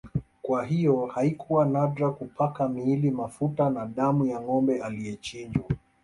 Kwa hiyo haikuwa nadra kupaka miili mafuta na damu ya Ngombe aliyechinjwa